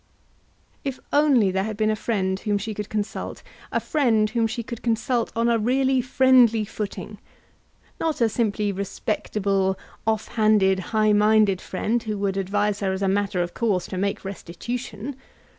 If only there had been a friend whom she could consult; a friend whom she could consult on a really friendly footing! not a simply respectable, off handed, high minded friend, who would advise her as a matter of course to make restitution.